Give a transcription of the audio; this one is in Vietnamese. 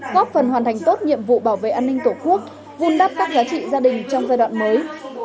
góp phần hoàn thành tốt nhiệm vụ bảo vệ an ninh tổ quốc vun đắp các giá trị gia đình trong giai đoạn mới